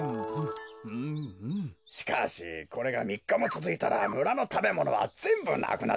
しかしこれがみっかもつづいたらむらのたべものはぜんぶなくなってしまうな。